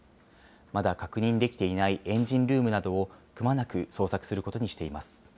まだ確認できていないエンジンルームなどをくまなく捜索することにしています。